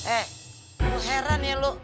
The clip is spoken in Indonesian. eh lu heran ya lo